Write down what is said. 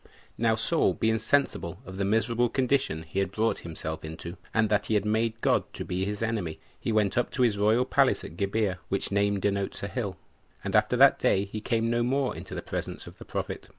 1. Now Saul being sensible of the miserable condition he had brought himself into, and that he had made God to be his enemy, he went up to his royal palace at Gibeah, which name denotes a hill, and after that day he came no more into the presence of the prophet.